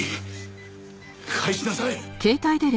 返しなさい。